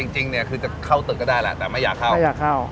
จริงคือจะเข้าตึกก็ได้หละแต่ไม่อยากเข้า